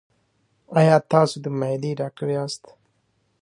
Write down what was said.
ایا تاسو د معدې ډاکټر یاست؟